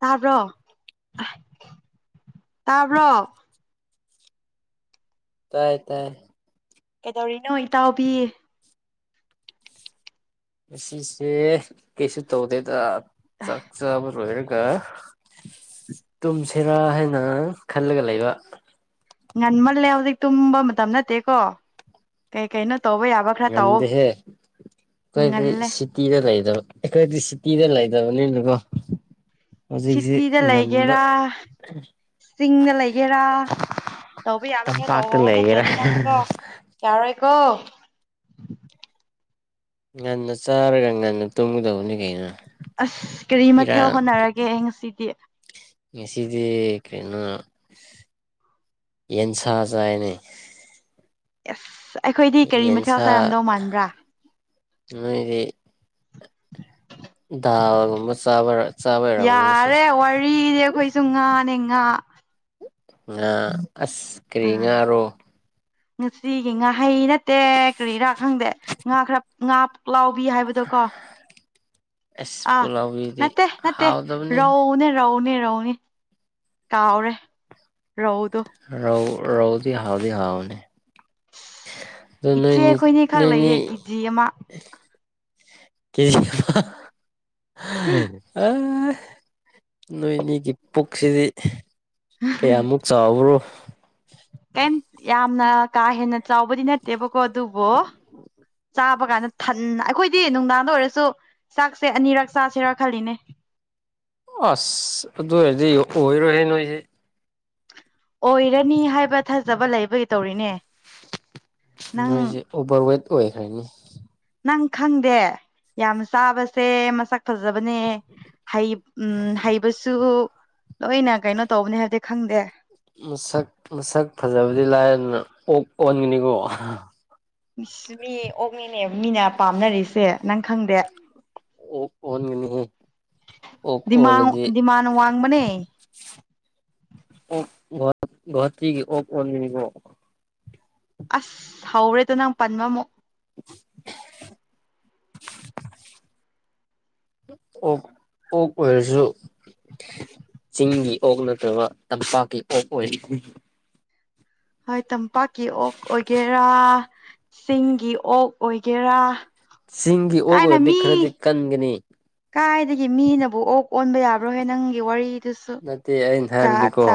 ꯇꯥꯕ꯭ꯔꯣ ꯇꯥꯕ꯭ꯔꯣ ꯇꯥꯏ ꯇꯥꯏꯌꯦ ꯀꯩꯗꯧꯔꯤꯅꯣ ꯏꯇꯥꯎꯕꯤ ꯑꯁꯤꯁꯦ ꯀꯩꯁꯨ ꯇꯧꯗꯦꯗ ꯆꯥꯛ ꯆꯥꯕ ꯂꯣꯏꯔꯒ ꯇꯨꯝꯁꯤꯔꯥ ꯍꯥꯏꯅ ꯈꯜꯂꯒ ꯂꯩꯕ ꯉꯟꯃꯜꯂꯦ ꯍꯧꯖꯤꯛ ꯇꯨꯝꯕ ꯃꯇꯝ ꯅꯠꯇꯦꯀꯣ ꯀꯩ ꯀꯩꯅꯣ ꯇꯧꯕ ꯌꯥꯕ ꯈꯔ ꯇꯧꯑꯣ ꯅꯗꯍꯦ ꯀꯈꯣꯏ ꯉꯜꯂꯦ ꯁꯤ ꯇꯤꯔ ꯂꯩꯗꯕ ꯀꯣꯏꯁꯤ ꯇꯤꯔ ꯂ ꯂꯩ ꯍꯥꯏꯗꯕꯅꯤ ꯂꯀꯣ ꯁꯤꯇꯤꯗ ꯂꯩꯒꯦꯔꯥ ꯆꯤꯡꯗ ꯂꯩꯒꯦꯔꯥ ꯇꯧꯕ ꯌꯥꯕ ꯈꯔ ꯇꯝꯄꯥꯛꯇ ꯇꯧꯍꯣ ꯂꯩꯒꯦꯔꯥ ꯅꯠꯇ꯭ꯔꯗꯤ ꯅꯪꯀꯣ ꯌꯥꯔꯣꯏꯀꯣ ꯉꯟꯅ ꯆꯥꯔꯒ ꯉꯟꯅ ꯇꯨꯝꯒꯗꯧꯕꯅꯤ ꯀꯩꯅ ꯑꯁ ꯀꯔꯤ ꯃꯊꯦꯜ ꯍꯣꯠꯅꯔꯒꯦ ꯑꯩ ꯉꯁꯤꯗꯤ ꯉꯁꯤꯗꯤ ꯀꯩꯅꯩꯅꯣ ꯌꯦꯟꯁꯥ ꯆꯥꯏꯅꯦ ꯑꯁ ꯑꯩꯈꯣꯏꯗꯤ ꯀꯔꯤ ꯃꯊꯦꯜ ꯆꯥꯔꯝꯗꯧ ꯃꯥꯟꯕ꯭ꯔꯥ ꯅꯣꯏꯒꯤ ꯗꯥꯒꯨꯝꯕꯥ ꯆꯥꯕꯩꯔꯝꯅꯤ ꯁꯤꯁꯤꯅꯦ ꯑꯦ ꯇꯨꯉꯥꯅꯦꯦꯉꯥ ꯉꯥ ꯑꯁ ꯀꯔꯤ ꯑꯥ ꯉꯥꯔꯣ ꯉꯁꯤꯒꯤ ꯉꯥꯍꯩ ꯅꯠꯇꯦ ꯀꯔꯤꯔꯥ ꯈꯪꯗꯦ ꯉꯥ ꯈꯔ ꯉꯥ ꯄꯨꯛꯂꯥꯎꯕꯤ ꯍꯥꯏꯕꯗꯣ ꯀꯣ ꯑꯁ ꯑꯥ ꯄꯨꯂꯥꯎꯕꯤꯗꯤ ꯅꯠꯇꯦ ꯅꯠꯇꯦ ꯍꯥꯎꯗꯕꯅꯤ ꯔꯧꯅꯦ ꯔꯧꯅꯦ ꯔꯧꯅꯦ ꯇꯥꯎꯔꯦ ꯔꯧꯗꯣ ꯔꯧ ꯔꯧꯗꯤ ꯍꯥꯎꯗꯤ ꯍꯥꯎꯕꯅꯦ ꯏꯆꯦ ꯑꯩꯈꯣꯏꯅꯤ ꯈꯛ ꯅꯣꯏꯅꯤ ꯂꯩꯌꯦ ꯀꯦꯖꯤ ꯑꯃ ꯀꯦꯖꯤ ꯍꯍꯍ ꯑ ꯅꯣꯏꯅꯤꯒꯤ ꯄꯨꯛꯁꯤꯗꯤ ꯀꯌꯥꯃꯨꯛ ꯆꯥꯎꯕ꯭ꯔꯣ ꯀꯩꯝ ꯌꯥꯝꯅ ꯀꯥ ꯍꯦꯟꯅ ꯆꯥꯎꯕꯗꯤ ꯅꯠꯇꯦꯕꯀꯣ ꯑꯗꯨꯕꯨꯣ ꯆꯥꯕ ꯀꯥꯟꯗ ꯊꯟꯅ ꯑꯩꯈꯣꯏꯗꯤ ꯅꯨꯡꯗꯥꯡꯗ ꯑꯣꯏꯔꯁꯨ ꯆꯥꯛꯁꯦ ꯑꯅꯤꯔꯛ ꯆꯥꯁꯦꯔꯥ ꯈꯜꯂꯤꯅꯦ ꯑꯁ ꯑꯗꯨ ꯑꯣꯏꯔꯗꯤ ꯑꯣꯏꯔꯣꯏꯍꯦ ꯅꯣꯏꯁꯦ ꯑꯣꯏꯔꯅꯤ ꯍꯥꯏꯕ ꯊꯥꯖꯕ ꯂꯩꯕꯒꯤ ꯇꯧꯔꯤꯅꯦ ꯅꯪ ꯅꯣꯏꯁꯦ ꯑꯣꯚꯔꯋꯦꯠ ꯑꯣꯏꯈ꯭ꯔꯅꯤ ꯅꯪ ꯈꯪꯗꯦ ꯌꯥꯝ ꯆꯥꯕꯁꯦ ꯃꯁꯛ ꯐꯖꯕꯅꯦ ꯍꯩ ꯎꯝ ꯍꯩꯕꯁꯨ ꯂꯣꯏꯅ ꯀꯩꯅꯣ ꯇꯧꯕꯅꯦ ꯍꯗꯤ ꯈꯪꯗꯦ ꯃꯁꯛ ꯃꯁꯛ ꯐꯖꯕꯗꯤ ꯂꯥꯏꯔꯗꯅ ꯑꯣꯛ ꯑꯣꯟꯒꯅꯤꯀꯣ ꯑꯍ꯫ ꯏꯁ ꯃꯤ ꯑꯣꯛꯅꯤꯅꯦ ꯃꯤꯅ ꯄꯥꯝꯅꯔꯤꯁꯦ ꯅꯪ ꯈꯪꯗꯦ꯫ ꯑꯣꯛ ꯑꯣꯟꯒꯅꯤ ꯍꯦ ꯑꯣꯛ ꯗꯤꯃꯥꯟ ꯑꯣꯜꯂꯗꯤ ꯗꯤꯃꯥꯟ ꯋꯥꯡꯕꯅꯦ ꯑꯣꯛ ꯒꯣꯍ ꯒꯥꯍꯥꯇꯤꯒꯤ ꯑꯣꯛ ꯑꯣꯟꯒꯅꯤꯀꯣ꯫ ꯑꯁ ꯍꯧꯔꯦꯗꯥ ꯅꯪ ꯄꯟꯕꯃꯨꯛ꯫ [unintelligible] ꯑꯣꯛ ꯑꯣꯛ ꯑꯣꯏꯔꯖꯨ ꯆꯤꯡꯒꯤ ꯑꯣꯛ ꯅꯠꯇꯕ ꯇꯝꯄꯥꯛꯀꯤ ꯑꯣꯛ ꯑꯣꯏꯒꯅꯤ꯫ ꯍꯣꯏ ꯇꯝꯄꯥꯛꯀꯤ ꯑꯣꯛ ꯑꯣꯏꯒꯦꯔꯥ ꯆꯤꯡꯒꯤ ꯑꯣꯛ ꯑꯣꯏꯒꯦꯔꯥ꯫ ꯆꯤꯡꯒꯤ ꯑꯣꯛ ꯀꯥꯏꯅ ꯑꯣꯏꯔꯗꯤ ꯃꯤ ꯈꯔꯗꯤ ꯀꯟꯒꯅꯤ꯫ ꯀꯥꯏꯗꯒꯤ ꯃꯤꯅꯕꯨ ꯑꯣꯛ ꯑꯣꯟꯕ ꯌꯥꯕ꯭ꯔꯣꯍꯦ ꯅꯪꯒꯤ ꯋꯥꯔꯤ ꯅꯠꯇꯦ ꯑꯩꯅ ꯍꯥꯏꯕꯗꯤꯀꯣ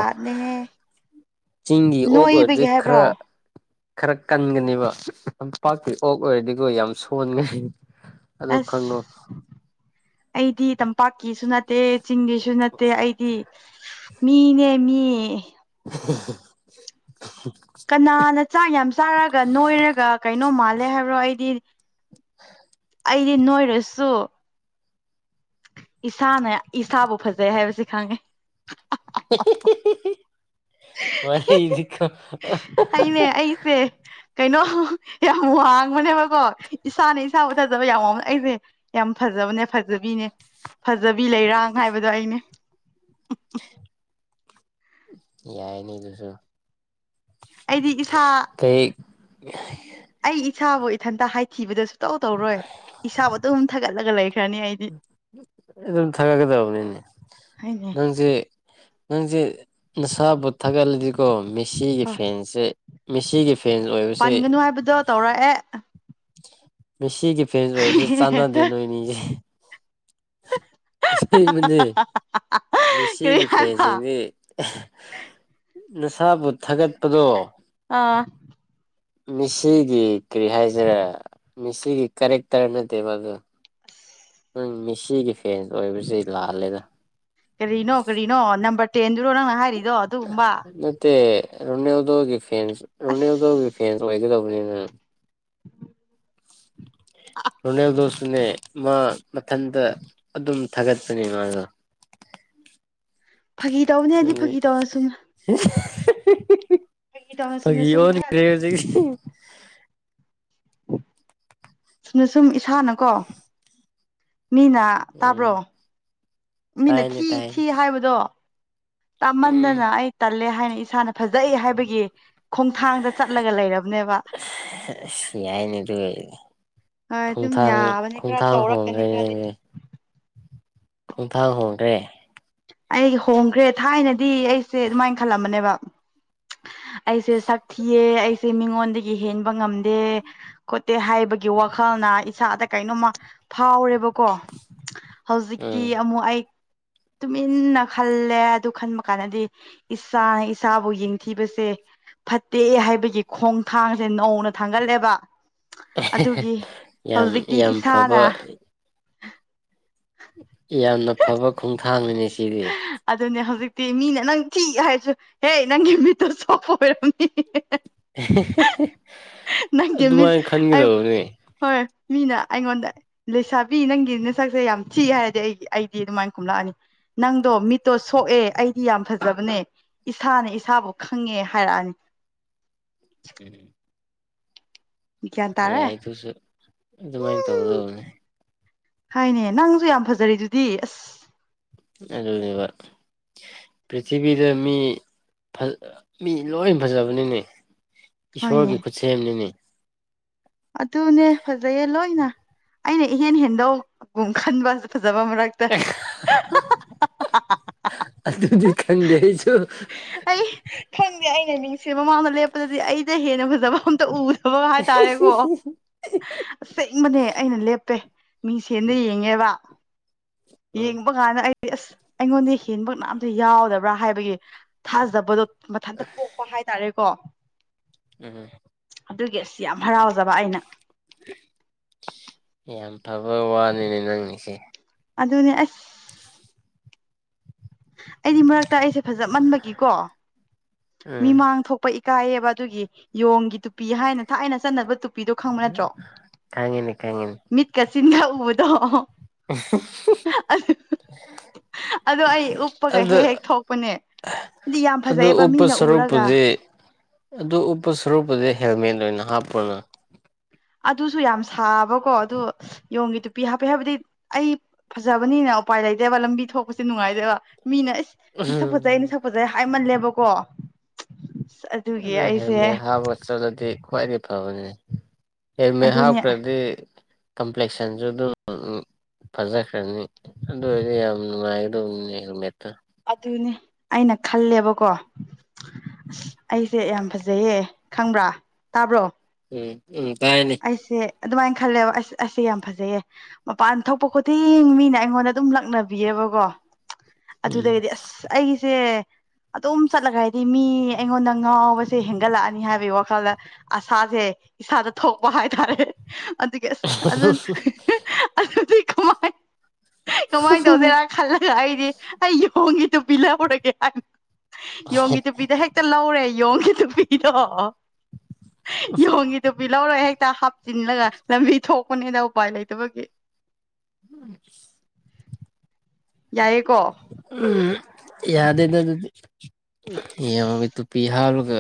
ꯆꯤꯡꯒꯤ ꯑꯣꯛ ꯑꯣꯏꯔꯗꯤ ꯅꯣꯏꯕꯒꯤ ꯍꯥꯏꯕ꯭ꯔꯣ ꯈꯔ ꯈꯔ ꯀꯟꯒꯅꯤꯕ ꯇꯝꯄꯥꯛꯀꯤ ꯑꯣꯛ ꯑꯣꯏꯔꯗꯤꯀꯣ ꯌꯥꯝ ꯁꯣꯟꯒꯍꯤ ꯑꯁ ꯑꯩꯗꯤ ꯇꯝꯄꯥꯛꯀꯤꯁꯨ ꯅꯠ ꯇꯦ ꯆꯤꯡꯒꯤꯁꯨ ꯅꯠꯇꯦ ꯑꯩꯗꯤ ꯃꯤꯅꯦ ꯃꯤ [unintelligible] ꯀꯟꯅꯅ ꯆꯥꯛ ꯌꯥꯝ ꯆꯥꯔꯒ ꯅꯣꯏꯔꯒ ꯀꯩꯅꯣ ꯃꯥꯜꯂꯦ ꯍꯥꯏꯕ꯭ꯔꯣ ꯑꯩꯗꯤ ꯑꯩꯗꯤ ꯅꯣꯏꯔꯁꯨ ꯏꯁꯥꯅ ꯏꯁꯥꯕꯨ ꯐꯖꯩ ꯍꯥꯏꯕꯁꯤ ꯈꯪꯉꯦ ꯍꯤ ꯍꯤ ꯍꯤ ꯍꯤ ꯋꯥꯔꯤꯗꯤꯀꫭ꯫ ꯍꯩꯅꯦ ꯑꯩꯁꯦ꯫ ꯀꯩꯅꯣ ꯌꯥꯝ ꯋꯥꯡꯕꯅꯦꯕꯀꯣ ꯏꯁꯥꯅ ꯏꯁꯥꯕꯨ ꯊꯖꯕ ꯌꯥꯝ ꯋꯥꯡꯅ ꯑꯩꯖꯦ꯫ ꯌꯥꯝ ꯐꯖꯕꯅꯦ ꯐꯖꯕꯤꯅꯦ ꯐꯖꯕꯤ ꯂꯩꯔꯥꯡ ꯍꯥꯏꯕꯗꯣ ꯑꯩꯅꯦ꯫ ꯌꯥꯏꯅꯦ ꯗꯨꯁꯨ꯫ ꯑꯩꯗꯤ ꯏꯁꯥ ꯀꯩ ꯑꯩ ꯏꯁꯥꯕꯨ ꯏꯊꯟꯇ ꯍꯥꯏꯊꯤꯕꯗꫭꯁ ꯇꯧ ꯇꯧꯔꯣꯏ ꯏꯁꯥꯕꯨ ꯑꯗꯨꯝ ꯊꯥꯒꯠꯂꯒ ꯂꯩꯈ꯭ꯔꯅꯤ ꯑꯩ꯫ ꯑꯗꯨꯝ ꯊꯥꯒꯠꯀꯗꯕꯅꯤꯅꯦ ꯍꯥꯏꯅꯦ ꯅꯪꯖꯦ ꯅꯪꯖꯦ ꯅꯁꯥꯕꯨꯠ ꯊꯥꯒꯠꯂꯗꯤꯀꯣ ꯃꯤꯁꯤꯒꯤ ꯍꯣꯏ ꯐꯦꯟꯁꯦ ꯃꯤꯁꯤꯒꯤ ꯐꯦꯟ ꯂꯣꯏꯕꯁꯦ ꯇꯣ ꯇꯧꯔꯛꯑꯦ꯫ ꯃꯦꯁꯤꯒꯤ ꯐꯦꯟꯖ ꯑꯣꯏꯕꯖꯦ ꯆꯥꯟꯅꯗꯦ ꯅꯣꯏꯅꯤꯖꯦ꯫ ꯑꯁꯦꯡꯕꯅꯦ꯫ ꯀꯔꯤ ꯃꯤꯁꯤꯒꯤ ꯍꯥꯏꯕ ꯐꯦꯟꯖꯤꯡꯖꯦ ꯑꯍ ꯅꯁꯥꯕꯨ ꯊꯥꯒꯠꯄꯗꯣ ꯑꯥ꯫ ꯃꯤꯁꯤꯒꯤ ꯀꯔꯤ ꯍꯥꯏꯁꯤꯔꯦ ꯃꯦꯁꯤꯒꯤ ꯀꯔꯦꯛꯇꯔ ꯅꯠꯇꯦꯕ ꯑꯗꯨ꯫ ꯅꯪ ꯃꯤꯁꯤꯒꯤ ꯐꯦꯟ ꯑꯣꯏꯕꯁꯤ ꯂꯥꯜꯂꯦꯗ꯫ ꯀꯔꯤꯅꯣ ꯀꯔꯤꯅꯣ ꯅꯝꯕꯔ ꯇꯦꯟꯗꯨꯔꯣ ꯅꯪꯅ ꯍꯥꯏꯔꯤꯗꯣ ꯑꯗꯨꯒꯨꯝꯕꯥ꯫ ꯇꯦ ꯔꯣꯅꯦꯜꯗꯣꯒꯤ ꯐꯦꯟꯁ ꯑꯁ ꯔꯣꯅꯦꯜꯗꯣꯒꯤ ꯐꯦꯟꯁ ꯑꯣꯏꯒꯗꯕꯅꯤꯅ꯫ [inaudible] ꯔꯣꯅꯦꯜꯗꯣꯁꯨꯅꯦ ꯃꯥ ꯃꯊꯟꯇ ꯑꯗꯨꯝ ꯊꯥꯒꯠꯄꯅꯦ ꯃꯥꯗꯣ꯫ [unintelligible] ꯐꯥꯒꯤ ꯇꯧꯕꯅꯦ ꯑꯩꯗꯤ ꯑꯗꯨꯗꯤ ꯐꯥꯒꯤ ꯇꯧꯅ ꯁꯨꯝ꯫ ꯇꯧꯅ [unintelligible] ꯐꯥꯒꯤ ꯁꯨꯝꯅ ꯁꯨꯝ ꯊꯥ ꯑꯣꯟꯒꯔꯦ ꯍꯣꯖꯤꯛ꯫ ꯅ ꯁꯨꯝ ꯏꯁꯥꯅꯀꯣ ꯃꯤꯅ ꯎꯝ ꯇꯥꯕ꯭ꯔꯣ꯫ ꯃꯤꯅ ꯇꯥꯏꯅꯦ ꯊꯤ ꯇꯥꯏꯅꯦ ꯊꯤ ꯍꯥꯏꯕꯗꯣ ꯇꯥꯃꯟꯗꯅ ꯑꯩ ꯇꯜꯂꯦ ꯍꯥꯏꯅ ꯏꯁꯥꯅ ꯐꯖꯩ ꯍꯥꯏꯕꯒꯤ ꯈꯣꯡꯊꯥꯡꯗ ꯆꯠꯂꯒ ꯂꯩꯔꯕꯅꯦꯕ꯫ ꯁꯦꯁ ꯌꯥꯥꯏꯅꯦ ꯗꯨꯑꯣꯏꯔꯗꯤ꯫ ꯍꯣꯏ ꯑꯗꯨꯝ ꯈꯣꯡꯊꯥꯡ ꯌꯥꯕꯅꯤ ꯈꯔ ꯈꯣꯡꯊꯥꯡ ꯇꯧꯔꯛꯀꯅꯤ ꯍꯣꯡꯒ꯭ꯔꯦꯅꯦ ꯈꯔꯗꯤ ꯅꯪꯗꯤ꯫ ꯈꯣꯡꯊꯥꯡ ꯍꯣꯡꯒ꯭ꯔꯦ꯫ ꯑꯩ ꯍꯣꯡꯈ꯭ꯔꯦ ꯊꯥꯏꯅꯗꯤ ꯑꯩꯁꯦ ꯑꯗꯨꯃꯥꯏ ꯈꯜꯂꯝꯕꯅꯦꯕ꯫ ꯑꯩꯁꯦ ꯁꯛ ꯊꯤꯑꯦ ꯑꯩꯁꯦ ꯃꯤꯉꯣꯟꯗꯒꯤ ꯍꯦꯟꯕ ꯉꯝꯗꯦ꯫ ꯈꯣꯠꯇꯦ ꯍꯥꯏꯕꯒꯤ ꯋꯥꯈꯜꯅ ꯏꯁꯥꯗ ꯀꯩꯅꯣꯝꯃ ꯐꯥꯎꯔꯦꯕꯀꯣ꯫ ꯍꯧꯖꯤꯛꯇꯤ ꯎꯝ ꯑꯃꯨꯛ ꯑꯩ ꯇꯨꯃꯤꯟꯅ ꯈꯜꯂꯦ ꯑꯗꯨ ꯈꯟꯕ ꯀꯥꯟꯗꯗꯤ ꯏꯁꯥꯅ ꯏꯁꯥꯕꯨ ꯌꯦꯡꯊꯤꯕꯁꯦ ꯐꯠꯇꯦ ꯍꯥꯏꯕꯒꯤ ꯈꯣꯡꯊꯥꯡꯁꯦ ꯅꯧꯅ ꯊꯥꯡꯒꯠꯂꯦꯕ ꯑꯗꯨꯒꯤ ꯌꯥꯝ ꯍꯧꯖꯤꯛꯇꯤ ꯌꯥꯝ ꯏꯁꯥꯅ ꯐꯕ ꯌꯥꯝꯅ ꯐꯕ ꯈꯣꯡꯊꯥꯡꯅꯤꯅꯦ ꯁꯤꯗꯤ ꯑꯗꯨꯅꯦ ꯍꯧꯖꯤꯛꯇꯤ ꯃꯤꯅ ꯅꯪ ꯊꯤ ꯍꯥꯏꯔꯁꯨ ꯍꯦ ꯅꯪꯒꯤ ꯃꯇ꯭ꯔ ꯁꯣꯛꯄ ꯑꫭꯏꯔꯝꯅꯤ꯫ ꯑꯦ ꯍꯦ ꯍꯦ ꯍꯦ ꯃꯤꯠ ꯑꯗꯨꯃꯥꯏꯅ ꯑꯩ ꯈꯟꯒꯗꯕꯅꯦ꯫ ꯍꯣꯏ ꯃꯤꯅ ꯑꯩꯉꯣꯟꯗ ꯂꯩꯁꯥꯕꯤ ꯅꯪꯒꯤ ꯅꯁꯛꯁꯦ ꯌꯥꯝ ꯊꯤꯛꯡ ꯍꯥꯏꯔꯛꯑꯗꯤ ꯑꯩ ꯑꯩꯗꯤ ꯑꯗꯨꯃꯥꯏꯅ ꯈꯨꯝꯂꯛꯑꯅꯤ꯫ ꯅꯪꯗꯣ ꯃꯤꯠꯇꯣ ꯁꯣꯛꯑꯦ ꯑꯩꯗꯤ ꯌꯥꯝ ꯐꯖꯕꯅꯦ ꯏꯁꯥꯅ ꯏꯁꯥꯕꯨ ꯈꯪꯉꯦ ꯍꯥꯏꯔꯛꯑꯅꯤ ꯎꯝ ꯒ꯭ꯌꯥꯟ ꯇꯥꯔꯦ ꯌꯥꯏ ꯑꯗꯨꯁꯨ ꯑꯗꯨꯃꯥꯏꯅ ꯇꯧꯒꯗꯧꯕꯅꯦ ꯍꯥꯏꯅꯦ ꯅꯪꯁꯨ ꯌꯥꯝ ꯐꯖꯔꯤ ꯑꯗꯨꯗꯤ ꯑꯁ ꯑꯕ ꯄ꯭ꯔꯤꯊꯤꯕꯤꯗ ꯃꯤ ꯃꯤ ꯂꯣꯏ ꯐꯖꯕꯅꯤꯅꯦ ꯍꯣꯏꯅꯦ ꯏꯁꯣꯔꯒꯤ ꯈꯨꯠꯁꯦꯝꯅꯤꯅꯦ ꯑꯗꯨꯅꯦ ꯐꯖꯩꯌꯦ ꯂꯣꯏꯅ ꯑꯩꯅ ꯏꯍꯦꯟ ꯍꯦꯟꯗꯧꯒꯨꯝ ꯈꯟꯕꯁꯨ ꯐꯖꯕ ꯃꯔꯛꯇ ꯑꯗꯨꯗꯤ ꯀꯟꯗꯍꯤ ꯆꯣ ꯑꯩ ꯈꯪꯗꯦ ꯑꯩꯅ ꯅꯤꯡꯁ ꯃꯃꯥꯡꯗ ꯂꯦꯞꯄꯗꯗꯤ ꯑꯩꯗ ꯍꯦꯟꯅ ꯐꯖꯕ ꯑꯝꯇ ꯎ ꯕꯛ ꯍꯥꯏꯇꯥꯔꯦꯀꯣ ꯑꯁꯦꯡꯕꯅꯦ ꯑꯩꯅ ꯂꯦꯞꯄꯦ ꯃꯤꯁꯦꯟꯅ ꯌꯦꯡꯉꯦꯕ ꯎꯝ ꯌꯦꯡꯕ ꯀꯥꯟꯗ ꯑꯩꯗꯤ ꯑꯁ ꯑꯩꯉꯣꯟꯗ ꯍꯦꯟꯕ ꯉꯅꯥꯝꯇ ꯌꯥꯎꯗꯕ꯭ꯔꯥ ꯍꯥꯏꯕꯒꯤ ꯊꯥꯖꯕꯗꯣ ꯃꯊꯟꯇ ꯄꯣꯛꯄ ꯍꯥꯏꯇꯥꯔꯦꯀꯣ ꯎꯝ ꯑꯗꯨꯒꯤ ꯑꯁ ꯌꯥꯝ ꯍꯔꯥꯎꯖꯕ ꯑꯩꯅ ꯌꯥꯝ ꯐꯕ ꯋꯥꯅꯤꯅꯦ ꯅꯪ ꯏꯁꯦ ꯑꯗꯨꯅꯦ ꯑꯁ ꯑꯩꯗꯤ ꯃꯔꯛꯇ ꯑꯩꯁꯦ ꯐꯖ ꯃꯟꯕꯒꯤꯀꯣ ꯎꯝ ꯃꯤꯃꯥꯡ ꯊꯣꯛꯄ ꯏꯀꯥꯏꯌꯦꯕ ꯑꯗꯨꯒꯤ ꯌꯣꯡꯒꯤ ꯇꯨꯄꯤ ꯍꯥꯏꯅ ꯊꯥꯏꯅ ꯆꯠꯅꯕ ꯇꯨꯄꯤꯗꯣ ꯈꯪꯕ ꯎ ꯀꯪꯉꯅꯤ ꯀꯪꯉꯅꯤ ꯀꯁꯤꯟꯗ ꯎꯕꯗꯣ [inaudible] ꯑꯗꯣ ꯑꯩ ꯎꯞꯄꯒ ꯑꯗꯨ ꯍꯦꯛ ꯍꯦꯛ ꯊꯣꯛꯄꯅꯦ ꯍꯥꯏꯗꯤ ꯌꯥꯝ ꯑꯗꯨ ꯐꯖꯩ ꯎꯞꯄ ꯁꯔꯨꯛꯄꯨꯗꯤ ꯑꯗꯨ ꯎꯞꯄ ꯁꯔꯨꯛꯄꯨꯗꯤ ꯍꯦꯜꯃꯦꯠ ꯑꯣꯏꯅ ꯍꯥꯞꯄꯅꯨ ꯑꯗꯨꯁꯨ ꯌꯥꯝ ꯁꯥꯕꯀꯣ ꯑꯗꯨ ꯌꯣꯡꯒꯤ ꯇꯨꯄꯤ ꯍꯥꯞꯄꯦ ꯍꯥꯏꯕꯗꯤ ꯑꯩ ꯐꯖꯕꯅꯤꯅ ꯎꯄꯥꯏ ꯂꯩꯇꯦꯕ ꯂꯝꯕꯤ ꯊꯣꯛꯄꯁꯦ ꯅꯨꯡꯉꯥꯏꯇꯦꯕ ꯃꯤꯅ ꯑꯦꯁ ꯁꯛꯄꯁꯩ ꯑꯩꯩꯅ ꯎꯝ ꯁꯛꯄꯠꯖꯩ ꯍꯥꯏꯃꯜꯂꯦꯕꯀꯣ ꯑꯗꯨꯒꯤ ꯑꯗꯨ ꯑꯩꯁꯦ ꯍꯦꯜꯃꯦꯠ ꯍꯥꯞꯄꯒ ꯆꯠꯂꯗꯤ ꯈ꯭ꯋꯥꯏꯗꯒꯤ ꯐꯕꯅꯤ ꯍꯦꯜꯃꯦꯠ ꯑꯗꯨꯅꯦ ꯍꯥꯞꯈ꯭ꯔꯗꯤ ꯀꯝꯄ꯭ꯂꯦꯛꯁꯟꯁꯨ ꯑꯗꯨꯝ ꯐꯖꯈ꯭ꯔꯅꯤ ꯑꯗꯨ ꯑꯣꯏꯔꯗꯤ ꯌꯥꯝ ꯅꯨꯡꯉꯥꯏꯒꯗꯧꯅꯦꯃꯦꯦꯠꯇ ꯑꯗꯨꯅꯤ ꯑꯩꯅ ꯈꯜꯂꯦꯕꯀꯣ ꯑꯁ ꯑꯩꯁꯦ ꯌꯥꯝ ꯐꯖꯩꯌꯦ ꯈꯪꯕ꯭ꯔꯥ ꯇꯥꯕ꯭ꯔꯣ ꯎꯝ ꯎꯝ ꯇꯥꯏꯅꯦꯅꯤ ꯑꯩꯁꯦ ꯑꯗꯨꯃꯥꯏꯅ ꯈꯜꯂꯦꯕ ꯑꯁ ꯑꯩꯁꯦ ꯌꯥꯝ ꯐꯖꯩꯌꯦ ꯃꯄꯥꯟ ꯊꯣꯛꯄ ꯈꯨꯗꯤꯡ ꯃꯤꯅ ꯑꯩꯉꯣꯟꯗ ꯑꯗꯨꯝ ꯂꯛꯅꯕꯤꯑꯕꯀꯣ ꯎꯝ ꯑꯗꯨꯗꯒꯤꯗꯤ ꯑꯁ ꯑꯩꯒꯤꯁꯦ ꯑꯗꯨꯝ ꯆꯠꯂꯒ ꯍꯥꯏꯗꯤ ꯃꯤ ꯑꯩꯉꯣꯟꯗ ꯉꯥꯎꯕꯁꯦ ꯍꯦꯟꯒꯠꯂꯛꯑꯅꯤ ꯍꯥꯏꯕꯒꯤ ꯋꯥꯈꯜꯗ ꯑꯁꯥꯁꯦ ꯏꯁꯥꯗ ꯊꯣꯛꯄ ꯍꯥꯏꯇꯥꯔꯦ ꯑꯗꯨꯒꯤ ꯑꯁ ꯑꯗꯨ ꯑꯗꯨꯗꯤ ꯀꯃꯥꯏ ꯀꯃꯥꯏꯅ ꯇꯧꯁꯤꯔꯥ ꯈꯜꯂꯒ ꯑꯩꯗꯤ ꯑꯩ ꯌꯣꯡꯉꯤ ꯇꯨꯄꯤ ꯂꯧꯍꯔꯒꯦ ꯍꯥꯏ ꯌꯣꯡꯉ ꯇꯨꯄꯤꯗ ꯍꯦꯛ ꯍꯦꯛꯇ ꯂꯧꯔꯦ ꯌꯦꯣꯡꯒꯤꯗꯨꯄꯤꯗꯣ ꯌꯣꯡꯒꯤꯗꯨ ꯀꯕꯤ ꯂꯧꯔꯣꯏ ꯍꯦꯛꯇ ꯍꯥꯞꯆꯤꯜꯂꯒ ꯂꯝꯕꯤ ꯊꯣꯛꯄꯅꯤꯅ ꯎꯄꯥꯏ ꯂꯩꯇꯕꯒꯤ ꯎꯝ ꯌꯥꯏꯑꯦꯀꯣ ꯎꯝ ꯌꯥꯗꯦꯗ ꯑꯗꯨꯗꯤ ꯌꯦꯡꯉꯒ ꯇꯨꯄꯤ ꯍꯥꯥꯎꯂꯒ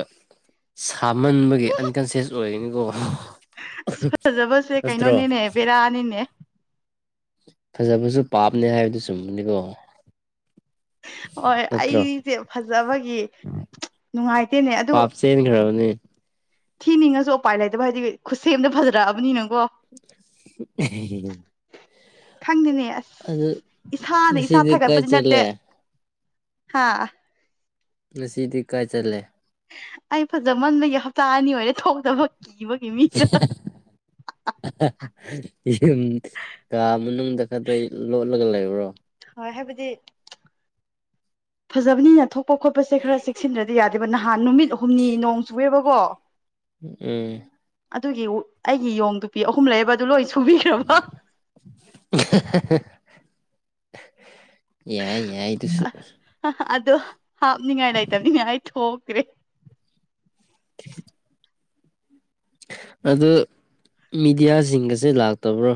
ꯁꯥꯃꯟꯕꯒꯤ ꯑꯟꯀꯟꯁꯤꯌꯁ ꯑꯣꯏꯔꯅꯤꯀꯣ ꯑꯁ ꯐꯖꯕꯁꯦ ꯀꯩꯅꯣꯅꯦꯅꯦ ꯕꯦꯔꯥꯅꯤꯅꯦ ꯐꯖꯕꯁꯨ ꯄꯥꯞꯅꯦ ꯍꯥꯏꯕꯗꯨ ꯆꯨꯝꯕꯅꯤꯀꯣ ꯍꯣꯏ ꯅꯠꯇ꯭ꯔꯣ ꯑꯩꯁꯦ ꯐꯖꯕꯒꯤ ꯅꯨꯡꯉꯥꯏꯇꯦꯅꯦ ꯑꯗꯨ ꯇꯦꯟ ꯈꯦꯔꯕꯅꯦ ꯊꯤꯅꯤꯡꯉꯁꯨ ꯎꯄꯥꯏ ꯂꯩꯇꯕ ꯍꯥꯏꯗꯤ ꯈꯨꯠꯁꯦꯝꯗ ꯐꯖꯔꯛꯑꯕꯅꯤꯅꯪꯀꯣ [unintelligible] ꯈꯪꯗꯦꯅꯦ ꯑꯗꯨ ꯑꯁ ꯏꯁꯥꯅ ꯏꯁꯥ ꯉꯁꯤꯗꯤ ꯀꯥꯏ ꯊꯥꯒꯠꯄꯗꯤ ꯅꯠꯇꯦ ꯆꯠꯂꯦ ꯍꯥꯥ ꯉꯁꯤꯗꯤ ꯀꯥꯏ ꯆꯜꯂꯦ ꯑꯩ ꯐꯖꯃꯟꯕꯒꯤ ꯍꯞꯇꯥ ꯑꯅꯤ ꯑꯣꯏꯔꯦ ꯊꯣꯛꯇꯅꯕ ꯀꯤꯕꯒꯤ ꯃꯤꯗ ꯌꯨꯝ ꯀꯥ ꯃꯅꯨꯡꯗ ꯈꯛꯇ ꯂꯣꯠꯂꯒ ꯂꯩꯕ꯭ꯔꯣ ꯍꯣꯏ ꯍꯥꯏꯕꯗꯤ ꯐꯖꯕꯅꯤꯅ ꯊꯣꯛꯄ ꯈꯣꯠꯄꯁꯦ ꯈꯔ ꯆ ꯁꯤꯟꯗ꯭ꯔꯗꯤ ꯌꯥꯗꯦꯕ ꯅꯍꯥꯟ ꯅꯨꯃꯤꯠ ꯍꯨꯝꯅꯤ ꯅꯣꯡ ꯆꯨꯑꯦꯕꯀꯣ ꯎꯝ ꯑꯗꯨꯒꯤ ꯑꯩꯒꯤ ꯌꯣꯡꯗꯨꯄꯤ ꯑꯍꯨꯝ ꯂꯩꯕ ꯑꯗꯨ ꯂꯣꯏ ꯁꯨꯕꯤꯈ꯭ꯔꯕꯣ ꯌꯥꯏ ꯌꯥꯏꯗꯨꯁꯨ ꯑꯗꯣ ꯍꯥꯞꯅꯤꯡꯉꯥꯏ ꯂꯩꯇꯕꯅꯤꯡꯉꯥꯏ ꯊꯣꯛꯈ꯭ꯔꯦ ꯑ ꯃꯤꯦꯗꯤꯌꯥꯁꯤꯡꯒꯁꯦ ꯂꯥꯛꯇꯕ꯭ꯔꯣ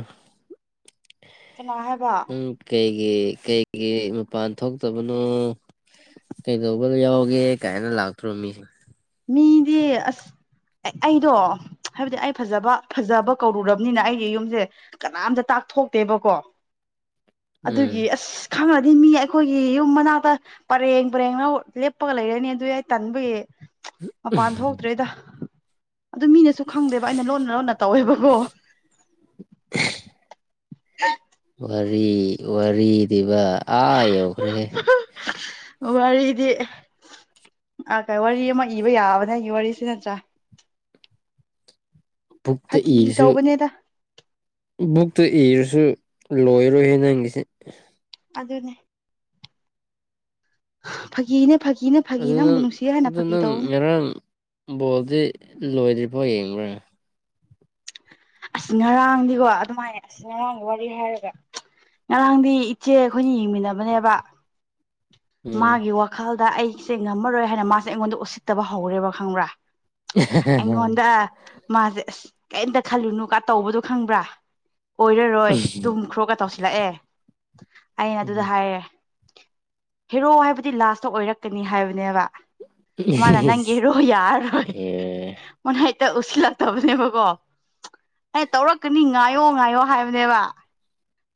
ꯀꯅꯥꯍꯦ ꯅꯪ ꯀꯩꯒꯤ ꯀꯩꯒꯤ ꯃꯄꯥꯟ ꯊꯣꯛꯇꯕꯅꯣ ꯀꯩꯗꯧꯕ ꯌꯥꯎꯒꯦ ꯀꯥꯏꯅ ꯂꯥꯛꯇ꯭ꯔꯣ ꯃꯤꯁꯤꯡ ꯃꯤꯗꯤ ꯑꯁ ꯑꯦ ꯑꯩꯗꯣ ꯍꯥꯏꯕꯗꯤ ꯑꯩ ꯐꯖꯕ ꯐꯖꯕ ꯀꯧꯔꯨꯔꯕꯅꯤꯅ ꯑꯩꯗꯤ ꯌꯨꯝꯁꯦ ꯀꯅꯥꯝꯇ ꯇꯥꯛꯊꯣꯛꯇꯦꯕꯀꯣ [unintelligible] ꯑꯗꯨꯒꯤ ꯑꯁ ꯈꯪꯉꯗꯤ ꯃꯤ ꯑꯩꯈꯣꯏꯒꯤ ꯌꯨꯝ ꯃꯅꯥꯛꯇ ꯄꯔꯦꯡ ꯄꯔꯦꯡꯅ ꯂꯦꯞꯄꯒ ꯂꯩꯔꯅꯤ ꯑꯗꯨ ꯌꯥꯏ ꯇꯟꯕꯒꯤ ꯃꯄꯥꯟ ꯊꯣꯛꯇ꯭ꯔꯦꯗ ꯑꯗꯨ ꯃꯤꯅꯁꯨ ꯈꯪꯗꯦꯕ ꯑꯩꯅ ꯂꯣꯟꯅ ꯂꯣꯟꯅ ꯇꯧꯋꯦꯕꯀꯣ [inaudible] ꯔꯤꯕ ꯋꯥꯔꯤꯗꯤ ꯑꯥ ꯀꯥꯏ ꯋꯥꯔꯤ ꯑꯃ ꯏꯕ ꯌꯥꯕꯅꯦ ꯑꯩꯒꯤ ꯋꯥꯔꯤꯁꯤ ꯅꯠꯇ꯭ꯔꯥ ꯕꯨꯛꯇ ꯐꯥꯒꯤ ꯏꯁꯨ ꯇꯧꯕꯅꯦꯗ ꯕꯨꯛꯇꯨ ꯏꯔꯁꯨ ꯂꯣꯏꯔꯣꯏꯍꯦ ꯅꯪꯒꯤꯁꯤꯦ ꯑꯗꯨ ꯑꯗꯨꯅꯦ ꯐꯥꯒꯤꯅꯦ ꯐꯥꯒꯤꯅꯦ ꯐꯥꯒꯤꯅ ꯑꯃꯨꯛ ꯅꯨꯡꯁꯤ ꯍꯥꯏꯅ ꯐꯥꯒꯤ ꯇꯧꯅꯦ ꯎꯨꯡ ꯕꯣꯜꯗꯤ ꯂꯣꯏꯗ꯭ꯔꯤꯕꯐꯣ ꯌꯦꯡꯕ꯭ꯔꯥ ꯑꯁꯤ ꯉꯔꯥꯡꯗꯤꯀꯣ ꯑꯗꯨꯃꯥꯏꯅ ꯑꯁꯤ ꯉꯔꯥꯡꯒꯤ ꯋꯥꯔꯤ ꯍꯥꯏꯔꯒ ꯉꯔꯥꯡꯗꯤ ꯏꯆꯦ ꯑꯩꯈꯣꯏꯅ ꯌꯦꯡꯃꯤꯟꯅꯕꯅꯦꯕ ꯎꯝ ꯃꯥꯒꯤ ꯋꯥꯈꯜꯗ ꯑꯩꯁꯦ ꯉꯝꯃꯔꯣꯏ ꯍꯥꯏꯅ ꯃꯥꯁꯦ ꯑꯩꯉꯣꯟꯗ ꯎꯁꯤꯠꯇꯕ ꯍꯧꯔꯦꯕ ꯈꯪꯕ꯭ꯔꯥ ꯑꯩꯉꯣꯟꯗ ꯃꯥꯁꯦ ꯑꯁ ꯀꯔꯤꯝꯇ ꯈꯜꯂꯨꯅꯨ ꯀ ꯇꯧꯕꯗꯣ ꯈꯪꯕ꯭ꯔꯥ ꯑꯣꯏꯔꯔꯣꯏ ꯇꯨꯝ ꯈ꯭ꯔꯣꯛꯒ ꯇꯧꯁꯤꯜꯂꯛꯑꯦ ꯑꯩꯅ ꯑꯗꯨꯗ ꯎꯝ ꯍꯥꯏꯔꯦ ꯍꯦꯔꯣ ꯍꯥꯏꯕꯗꯤ ꯂꯥꯁꯇ ꯑꯣꯏꯔꯛꯀꯅꯤ ꯍꯥꯏꯕꯅꯦꯕ ꯃꯥꯅ ꯅꯪꯒꯤꯔꯣ ꯌꯥꯔꯔꯣꯏ ꯑꯦ ꯃꯅ ꯍꯦꯛꯇ ꯎꯁꯤꯜꯂꯛꯇꯕꯅꯦꯕꯀꯣ ꯑꯩ ꯇꯧꯔꯛꯀꯅꯤ ꯉꯥꯏꯌꯣ ꯉꯥꯏꯌꯣ ꯍꯥꯏꯕꯅꯦꯕ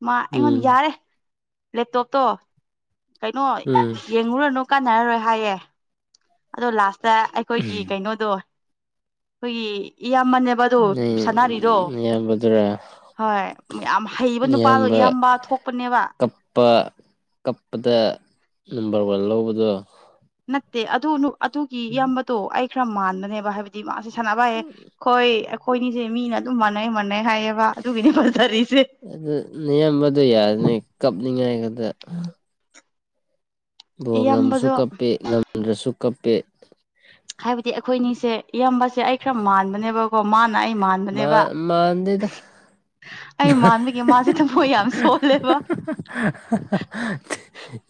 ꯃꯥ ꯎꯝ ꯑꯩꯉꯣꯟꯗ ꯌꯥꯔꯦ ꯂꯦꯞꯇꯣꯞꯇꯣ ꯀꯩꯅꯣ ꯎꯝ ꯌꯦꯡꯉꯨꯔꯅꯨ ꯀꯥꯟꯅꯔꯔꯣꯏ ꯍꯥꯏꯌꯦ ꯑꯗꯣ ꯂꯥꯁꯇ ꯑꯩꯈꯣꯏꯒꯤ ꯀꯩꯅꯣꯗꯣ ꯑꯩꯈꯣꯏꯒꯤ ꯏꯌꯥꯝꯃꯅꯦꯕ ꯑꯗꯣ ꯅꯣꯏ ꯁꯥꯟꯅꯔꯤꯗꯣ ꯅꯌꯥꯝꯕꯗꯨꯔꯥ ꯍꯣꯏ ꯌꯥꯝ ꯍꯩꯕ ꯅꯨꯄꯥꯗꯣ ꯅꯌꯥꯝꯕ ꯏꯌꯥꯝꯕ ꯊꯣꯛꯄꯅꯦꯕ ꯀꯞꯄ ꯀꯞꯄꯗ ꯅꯝꯕꯔ ꯋꯥꯟ ꯂꯧꯕꯗꯣ ꯅꯠꯇꯦ ꯑꯗꯨ ꯑꯗꯨꯒꯤ ꯏꯌꯥꯝꯕꯗꯣ ꯑꯩ ꯈꯔ ꯃꯥꯟꯕꯅꯦꯕ ꯍꯥꯏꯕꯗꯤ ꯃꯥꯁꯦ ꯁꯥꯟꯅꯕꯌꯦ ꯍꯣꯏ ꯑꯩꯈꯣꯏꯅꯤꯁꯦ ꯃꯤꯅ ꯑꯗꯨꯝ ꯃꯥꯟꯅꯩ ꯃꯥꯟꯅꯩ ꯍꯥꯏꯌꯦꯕ ꯑꯗꯨꯒꯤꯅꯤ ꯄꯠꯊꯔꯤꯁꯦ ꯑꯗꯨ ꯅꯌꯥꯝꯕꯗꯣ ꯌꯥꯗꯅꯤ ꯀꯞꯅꯤꯡꯉꯥꯏꯒꯗ ꯕꯣꯜ ꯉꯝꯁꯨ ꯏꯌꯥꯝꯕꯗꯣ ꯀꯞꯄꯦ ꯉꯝꯗ꯭ꯔꯁꯨ ꯀꯞꯄꯦ ꯍꯥꯏꯕꯗꯤ ꯑꯩꯈꯣꯏꯅꯤꯁꯦ ꯏꯌꯥꯝꯝꯕꯁꯦ ꯑꯩ ꯈꯔ ꯃꯥꯟꯕꯅꯦꯕ ꯍꯣ ꯃꯥꯅ ꯑꯩ ꯃꯥ ꯃꯥꯟꯕꯅꯦꯕ ꯃꯥꯟꯗꯦꯗ ꯑꯩ ꯃꯥꯟꯕꯒꯤꯦ ꯃꯥꯁꯦ ꯊꯃꯣꯏ ꯌꯥꯝ ꯁꯣꯜꯂꯦꯕ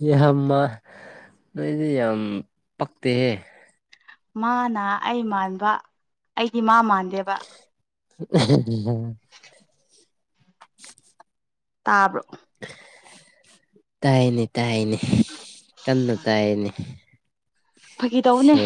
ꯌꯥꯝꯃ ꯅꯣꯏꯗꯤ ꯌꯥꯝ ꯄꯛꯇꯦꯍꯦ ꯃꯥꯅ ꯑꯩ ꯃꯥꯟꯕ ꯑꯩꯗꯤ ꯃꯥ ꯃꯥꯟꯗꯦꯕ ꯝ [inaudible] ꯇꯥꯕ꯭ꯔꯣ ꯇꯥꯏꯅꯤ ꯇꯥꯏꯅꯤ ꯀꯟꯅ ꯇꯥꯏꯅꯤ ꯐꯥꯒꯤ ꯇꯧꯕꯅꯦ